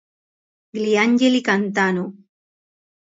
Gli angeli cantano"!